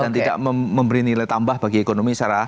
dan itu memberi nilai tambah bagi ekonomi secara